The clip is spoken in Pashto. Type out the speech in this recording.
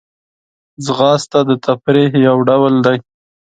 ځغاسته د تفریح یو ډول دی